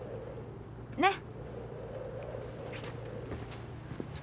ねっ！